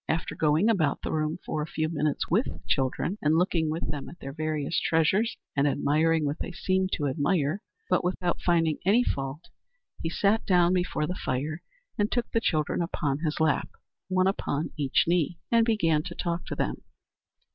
After going about the room for a few minutes with the children, and looking with them at their various treasures, and admiring what they seemed to admire, but without finding any fault, he sat down before the fire and took the children upon his lap one upon each knee and began to talk to them.